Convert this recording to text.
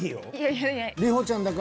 いやいや。